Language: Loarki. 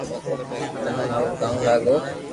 تمو مارو ڪاو لاگو